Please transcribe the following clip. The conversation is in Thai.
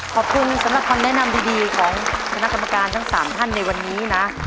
ขอบคุณสำหรับคำแนะนำดีของคณะกรรมการทั้ง๓ท่านในวันนี้นะ